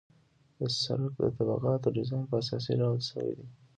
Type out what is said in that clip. د سرک د طبقاتو ډیزاین په اساسي ډول شوی دی